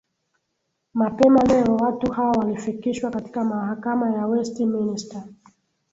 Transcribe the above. mapema leo watu hao walifikishwa katika mahakama ya west minister